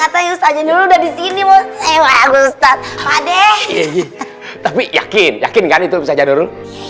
atau justru udah di sini mau sewa agustus pade tapi yakin yakin kan itu saja dulu